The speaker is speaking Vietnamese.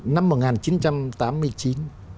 năm một nghìn chín trăm tám mươi chín khi ông đỗ bình